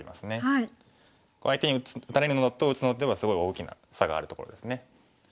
相手に打たれるのと打つのではすごい大きな差があるところですね。